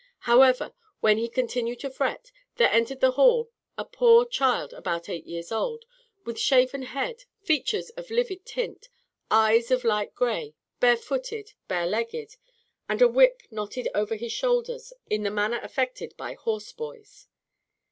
However, while he continued to fret, there entered the hall a poor child about eight years old, with shaved head, features of livid tint, eyes of light gray, barefooted, barelegged, and a whip knotted over his shoulders in the manner affected by horseboys.